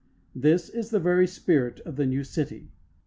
This is the very spirit of the new city.